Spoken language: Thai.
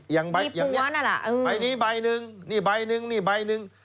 อย่างนี้อันนี้ใบหนึ่งนี่ใบหนึ่งนี่ใบหนึ่ง